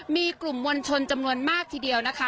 มีกลุ่มมวลชนจำนวนมากทีเดียวนะคะ